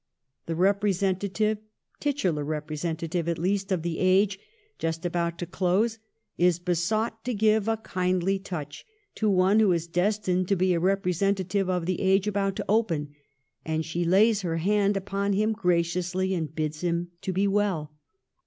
The representa 314 THE REIGN OF QUEEN ANNE. ch. xxxv. tive — titular representative at least — of the age just about to close is besought to give a kindly touch to one who is destined to be a representative of the age about to open, and she lays her hand upon him graciously and bids him to be well.